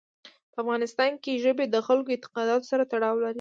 په افغانستان کې ژبې د خلکو اعتقاداتو سره تړاو لري.